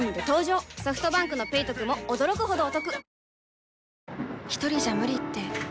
ソフトバンクの「ペイトク」も驚くほどおトク